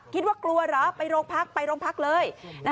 กลัวเหรอไปโรงพักไปโรงพักเลย